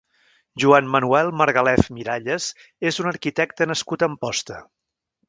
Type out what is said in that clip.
Joan Manuel Margalef Miralles és un arquitecte nascut a Amposta.